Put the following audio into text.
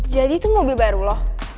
jadi itu mobil baru loh